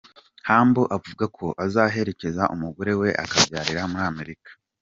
Humble avuga ko azaherekeza umugore we akabyarira muri Amerika.